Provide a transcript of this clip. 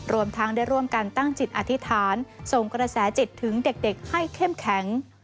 รวมทั้งได้ร่วมกันตั้งจิตอธิษฐานส่งกระแสจิตถึงเด็กให้เข้มแข็ง